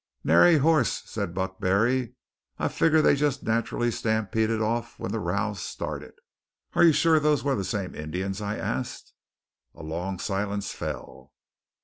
"Nary hoss," said Buck Barry. "I figger they jest nat'rally stampeded off when the row started." "Are you sure those were the same Indians?" I asked. A long silence fell.